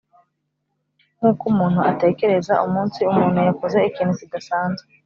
nkuko umuntu atekereza umunsi umuntu yakoze ikintu kidasanzwe.